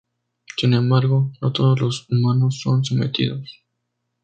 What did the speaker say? Sin embargo, no todos los humanos son sometidos.